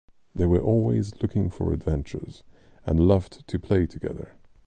They were always looking for adventures and loved to play together.